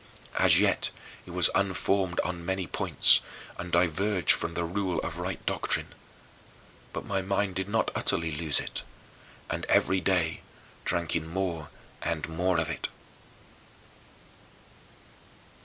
As yet it was unformed on many points and diverged from the rule of right doctrine, but my mind did not utterly lose it, and every day drank in more and more of it.